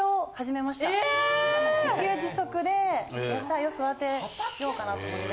自給自足で野菜を育てようかなと思って。